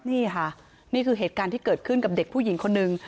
นี่ค่ะนี่คือเหตุการณ์ที่เกิดขึ้นกับเด็กผู้หญิงคนนึง